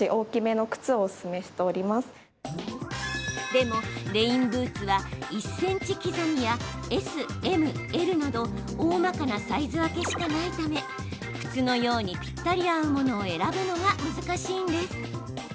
でも、レインブーツは１ｃｍ刻みやＳ、Ｍ、Ｌなどおおまかなサイズ分けしかないため靴のようにぴったり合うものを選ぶのが難しいんです。